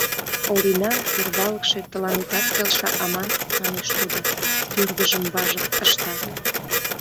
— Оринан курвалыкше тыланетат келша аман, — манеш тудо, тӱрвыжым важык ышта.